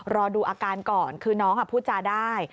รอดูอาการก่อนคือน้องพูดจาได้